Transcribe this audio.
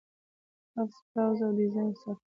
آفس، براوزر، او ډیزاین سافټویر